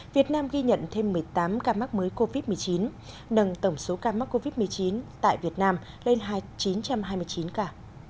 việt nam ghi nhận thêm một mươi tám ca mắc mới covid một mươi chín nâng tổng số ca mắc covid một mươi chín tại việt nam lên chín trăm hai mươi chín ca